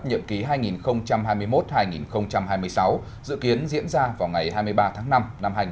nhiệm ký hai nghìn hai mươi một hai nghìn hai mươi sáu dự kiến diễn ra vào ngày hai mươi ba tháng năm năm hai nghìn hai mươi một